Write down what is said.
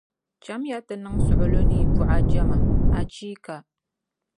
Chamiya n-ti niŋ suɣulo ni yi buɣajɛma, achiika!